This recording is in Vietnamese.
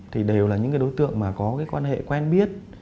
thì đều là những cái đối tượng mà có cái quan hệ quen biết